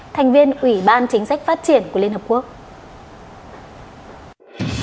thành viên ủy ban chính sách phát triển của liên hợp quốc